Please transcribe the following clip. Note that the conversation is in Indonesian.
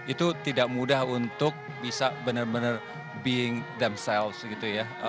itu tidak mudah untuk bisa benar benar being themsels gitu ya